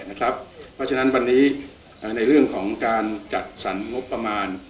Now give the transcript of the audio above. เพราะฉะนั้นวันนี้ในเรื่องของการจัดสรรงบประมาณ